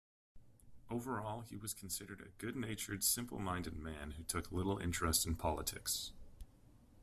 Overall, he was considered a good-natured, simple-minded man who took little interest in politics.